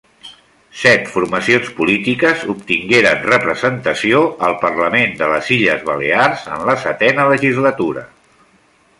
Set formacions polítiques obtingueren representació al Parlament de les Illes Balears en la Setena Legislatura.